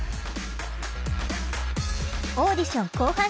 オーディション後半戦。